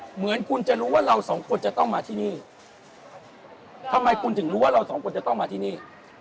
เหมือนคุณจะรู้ว่าเราสองคนจะต้องมาที่นี่ทำไมคุณถึงรู้ว่าเราสองคนจะต้องมาที่นี่